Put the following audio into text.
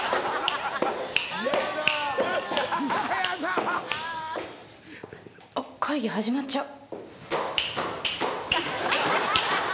ん！あっ会議始まっちゃう。